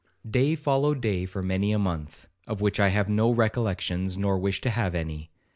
'Day followed day for many a month, of which I have no recollections, nor wish to have any.